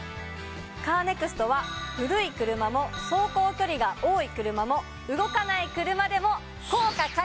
カーネクストは古い車も走行距離が多い車も動かない車でも。